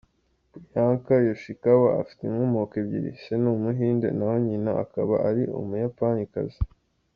Priyanka Yoshikawa afite inkomoko ebyiri, se ni Umuhinde naho nyina akaba ari Umuyapanikazi.